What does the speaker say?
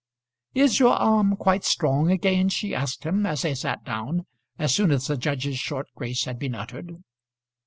"Is your arm quite strong again?" she asked him as they sat down, as soon as the judge's short grace had been uttered.